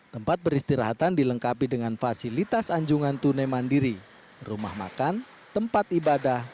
tempat beristirahatan dilengkapi dengan fasilitas anjungan tunai mandiri rumah makan tempat ibadah